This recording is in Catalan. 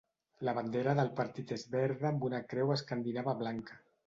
La bandera del partit és verda amb una creu escandinava blanca.